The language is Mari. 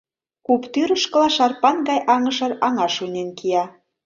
Куп тӱрышкыла шарпан гай аҥышыр аҥа шуйнен кия.